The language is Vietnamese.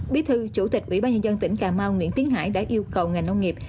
bí thư chủ tịch ủy ban nhân dân tỉnh cà mau nguyễn tiến hải đã yêu cầu ngành nông nghiệp